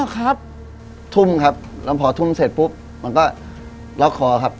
ครับทุ่มครับแล้วพอทุ่มเสร็จปุ๊บมันก็ล็อกคอครับ